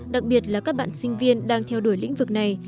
đặc biệt là các bạn sinh viên đang theo đuổi lĩnh vực này